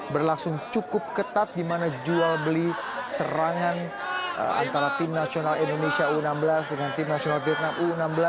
berlangsung cukup ketat di mana jual beli serangan antara tim nasional indonesia u enam belas dengan tim nasional vietnam u enam belas